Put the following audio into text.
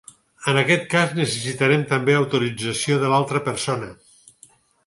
En aquest cas necessitarem també l'autorització de l'altra persona.